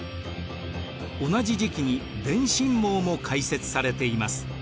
同じ時期に電信網も開設されています。